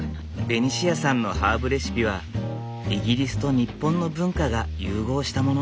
ベニシアさんのハーブレシピはイギリスと日本の文化が融合したもの。